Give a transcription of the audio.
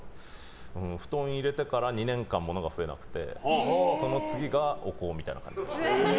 布団を入れていたら２年間、物が増えなくてその次が、お香みたいな感じでしたね。